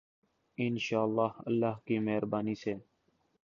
انشاء اللہ، اللہ کی مہربانی سے۔